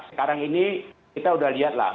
sekarang ini kita sudah lihatlah